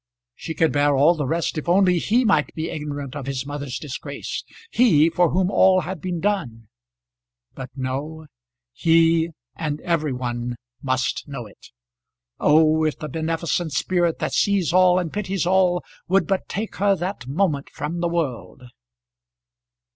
She could bear all the rest, if only he might be ignorant of his mother's disgrace; he, for whom all had been done! But no. He, and every one must know it. Oh! if the beneficent Spirit that sees all and pities all would but take her that moment from the world!